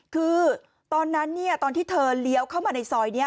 คือตอนนั้นตอนที่เธอเลี้ยวเข้ามาในซอยนี้